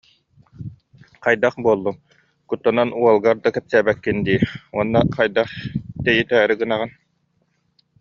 Хайдах буоллуҥ, куттанан уолгар да кэпсээбэккин дии уонна хайдах тэйитээри гынаҕын